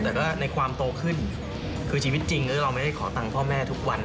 แต่ก็ในความโตขึ้นคือชีวิตจริงก็คือเราไม่ได้ขอตังค์พ่อแม่ทุกวัน